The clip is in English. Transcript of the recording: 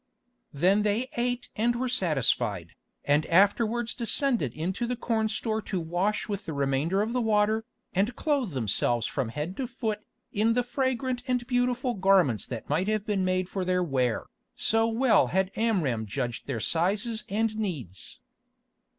Then they ate and were satisfied, and afterwards descended into the corn store to wash with the remainder of the water, and clothe themselves from head to foot in the fragrant and beautiful garments that might have been made for their wear, so well had Amram judged their sizes and needs.